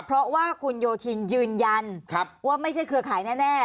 เพราะว่าคุณโยธินยืนยันว่าไม่ใช่เครือข่ายแน่